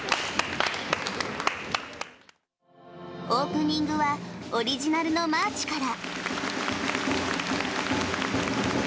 オープニングは、オリジナルのマーチから。